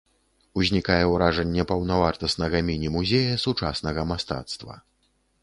Узнікае ўражанне паўнавартаснага міні-музея сучаснага мастацтва.